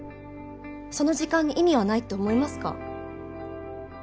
その時間に意味はないって思いますか？